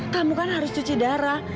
kamu kan harus cuci darah